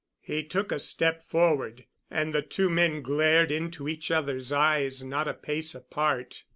He took a step forward, and the two men glared into each other's eyes not a pace apart.